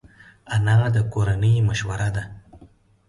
انا د کورنۍ مشوره ده